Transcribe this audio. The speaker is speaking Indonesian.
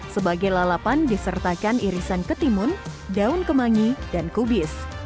sebagai lalapan disertakan irisan ketimun daun kemangi dan kubis